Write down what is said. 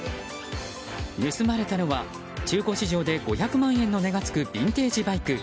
盗まれたのは中古市場で５００万円の値がつくビンテージバイク。